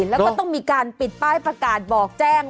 แล้วก็ต้องมีการปิดป้ายประกาศบอกแจ้ง